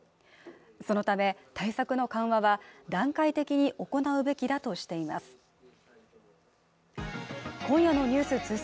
そのため対策の緩和は段階的に行うべきだとしています